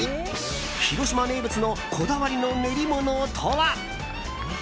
広島名物のこだわりの練り物とは。